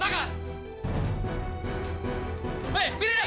jadi luar biasa